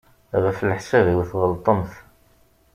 Ɣef leḥsab-iw tɣelṭemt.